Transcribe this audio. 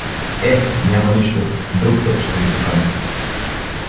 Е, няма нищо, друг път ще го поканим.